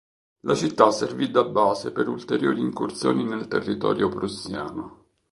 La città servì da base per ulteriori incursioni nel territorio prussiano.